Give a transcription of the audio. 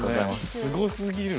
すごすぎる。